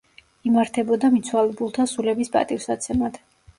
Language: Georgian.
იმართებოდა მიცვალებულთა სულების პატივსაცემად.